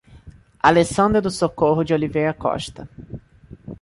Alessandra do Socorro de Oliveira Costa